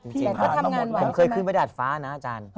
ใช่ไหมครับจริงครับผมเคยขึ้นไปดาดฟ้านะอาจารย์